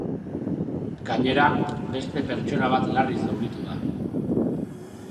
Gainera, beste pertsona bat larri zauritu da.